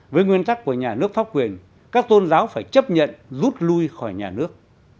với nguyên tắc của nhà nước pháp quyền các tôn giáo phải chấp nhận rút lui khỏi nhà nước